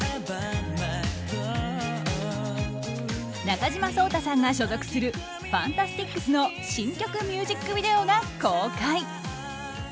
中島颯太さんが所属するＦＡＮＴＡＳＴＩＣＳの新曲ミュージックビデオが公開。